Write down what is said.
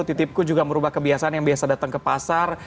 titipku juga merubah kebiasaan yang biasa datang ke pasar